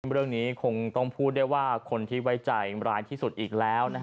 เรื่องนี้คงต้องพูดได้ว่าคนที่ไว้ใจร้ายที่สุดอีกแล้ว